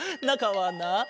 なかはな